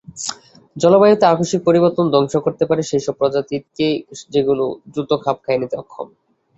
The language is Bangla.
জলবায়ুতে আকস্মিক পরিবর্তন ধ্বংস করতে পারে সেইসব প্রজাতিকে যেগুলি দ্রুত খাপ খাইয়ে নিতে অক্ষম।